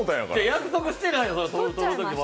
約束してないよとるときに。